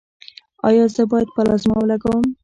ایا زه باید پلازما ولګوم؟